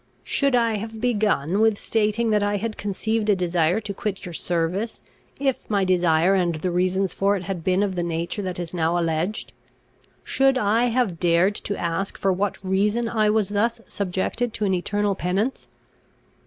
Should I have begun with stating that I had conceived a desire to quit your service, if my desire and the reasons for it, had been of the nature that is now alleged? Should I have dared to ask for what reason I was thus subjected to an eternal penance?"